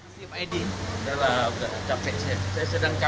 saya sedang capek